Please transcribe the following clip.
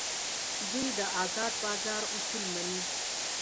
دوی د ازاد بازار اصول مني.